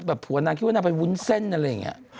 ผัวนางคิดว่านางไปวุ้นเส้นอะไรอย่างนี้